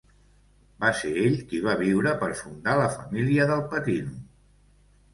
Va ser ell qui va viure per fundar la família del Patino.